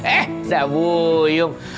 eh udah buyung